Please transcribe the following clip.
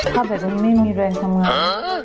ถ้าแบบนั้นไม่มีแรงทำงาน